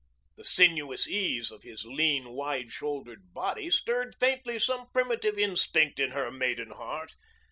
The sinuous ease of his lean, wide shouldered body stirred faintly some primitive instinct in her maiden heart.